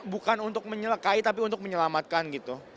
bukan untuk menyelekai tapi untuk menyelamatkan gitu